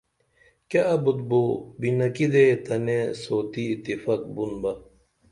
کیہ ابُت بو بِنکی دے تنے سوتی اتفاق بُن بہ